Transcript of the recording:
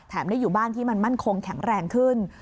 ได้อยู่บ้านที่มันมั่นคงแข็งแรงขึ้น